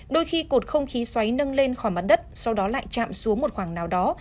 đôi khi cột không khí xoáy nâng lên khỏi mặt đất sau đó lại chạm xuống một khoảng nào đó